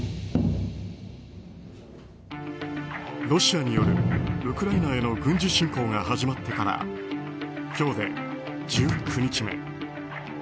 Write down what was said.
ロシアによるウクライナへの軍事侵攻が始まってから今日で１９日目。